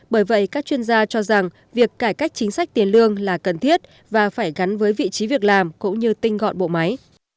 bởi vậy các chuyên gia cho rằng việc cải cách chính sách tiền lương là cần thiết và phải gắn với vị trí việc làm cũng như tinh gọn bộ máy